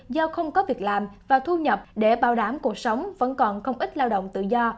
do không có việc làm và thu nhập để bảo đảm cuộc sống vẫn còn không ít lao động tự do